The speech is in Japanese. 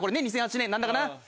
２００８年何だかな？